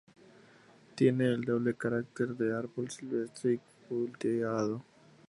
Tiene el doble carácter de árbol silvestre y cultivado.